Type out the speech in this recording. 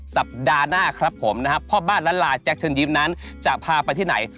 สัปดาห์หน้าครับผมนะครับพ่อบ้านละลาแจ็คเชิญยิ้มนั้นจะพาไปที่ไหน